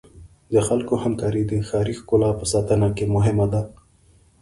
د خلکو همکاري د ښاري ښکلا په ساتنه کې مهمه ده.